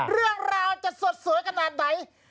เรื่องราวจะสดสวยขนาดไหน